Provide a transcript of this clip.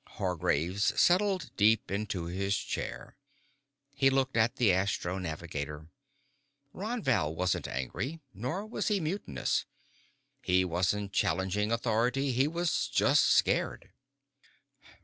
Hargraves settled deep into his chair. He looked at the astro navigator. Ron Val wasn't angry. Nor was he mutinous. He wasn't challenging authority. He was just scared.